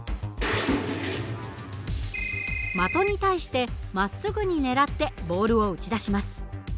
的に対してまっすぐにねらってボールを撃ち出します。